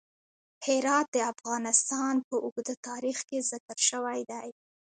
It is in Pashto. هرات د افغانستان په اوږده تاریخ کې ذکر شوی دی.